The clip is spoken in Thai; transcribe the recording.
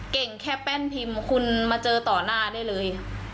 แค่แป้นพิมพ์คุณมาเจอต่อหน้าได้เลย